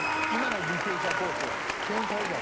今の履正社高校ですわ。